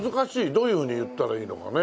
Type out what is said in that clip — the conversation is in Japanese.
どういうふうに言ったらいいのかね。